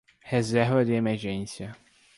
Reserva de emergência